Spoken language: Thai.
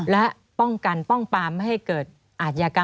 และป้องกันป้องปามไม่ให้เกิดอาชญากรรม